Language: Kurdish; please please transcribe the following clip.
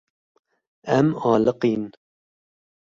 Em aliqîn.